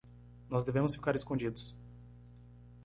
Nós devemos ficar escondidos.